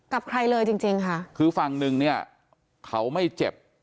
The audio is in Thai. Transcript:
กับใครเลยจริงจริงค่ะคือฝั่งหนึ่งเนี่ยเขาไม่เจ็บ